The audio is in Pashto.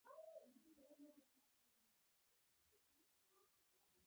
لمسی د پلار کالي اغوندي.